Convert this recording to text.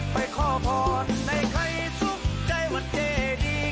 ไปขอพรให้ใครสุขใจวันเจดี